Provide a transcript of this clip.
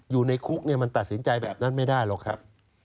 อยู่ในคุกมันตัดสินใจแบบนั้นไม่ได้หรอกครับ